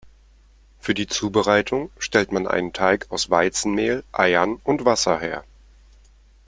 Für die Zubereitung stellt man einen Teig aus Weizenmehl, Eiern und Wasser her.